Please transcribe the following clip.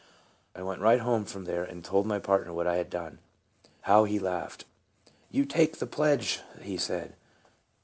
I went right home from there and told my 7 50 TRANSFORMED. partner what I had done. How he laughed. "You take the pledge!" he said.